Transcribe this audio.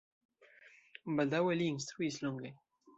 Baldaŭe li instruis longe.